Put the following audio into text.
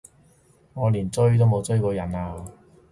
我連咀都冇咀過人啊！